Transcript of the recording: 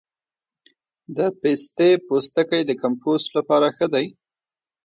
د پستې پوستکی د کمپوسټ لپاره ښه دی؟